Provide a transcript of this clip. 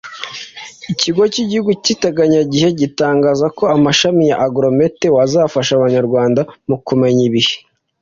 Ikigo cy’igihugu cy’iteganyanyagihe gitangaza ko amashami ya Agro-Meteo azafasha abanyarwanda kumenya ibihe